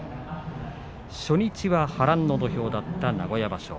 初日は波乱の土俵だった名古屋場所